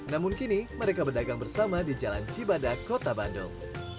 namun kini mereka berdagang bersama di jalan cibadak kota bandung